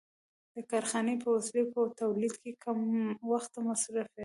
د کارخانې په وسیله په تولید کم وخت مصرفېده